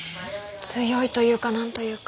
強いというかなんというか。